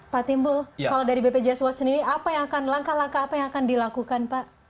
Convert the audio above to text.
pak timbul kalau dari bpjs world sendiri apa yang akan dilakukan